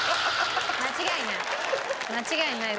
間違いない。